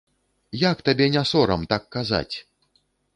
Як табе не сорам так казаць?